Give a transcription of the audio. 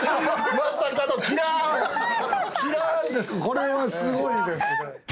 これはすごいですね。